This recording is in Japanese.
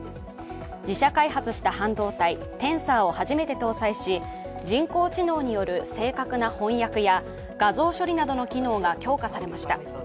自社開発した半導体テンサーを初めて搭載し人工知能による正確な翻訳や画像処理などの機能が強化されました。